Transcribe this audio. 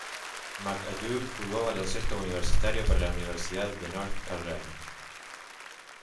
McAdoo jugó baloncesto universitario para la Universidad de North Carolina.